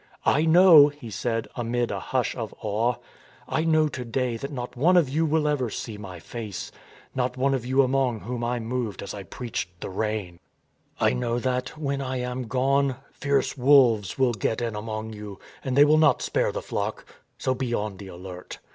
" I know," he said amid a hush of awe, " I know " ONE WHO MARCHED » 281 to day that not one of you will ever see my face — not one of you among whom I moved as I preached the Reign. ... I know that, when I am gone, fierce wolves will get in among you, and they will not spare the flock. ... So be on the alert.